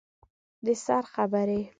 د سر خبرې